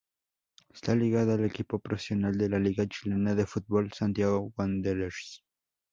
Está ligada al equipo profesional de la liga chilena de fútbol Santiago Wanderers.